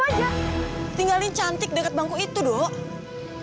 hai tinggalin cantik dekat bangku itu dong